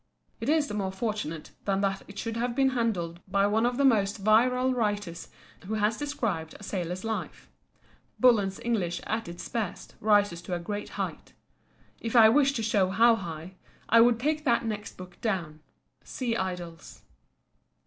It is the more fortunate then that it should have been handled by one of the most virile writers who has described a sailor's life. Bullen's English at its best rises to a great height. If I wished to show how high, I would take that next book down, "Sea Idylls."